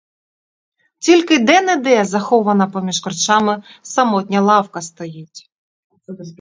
Тільки де-не-де захована поміж корчами самотня лавка стоїть.